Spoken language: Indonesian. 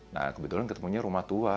nah kebetulan ketemunya rumah tua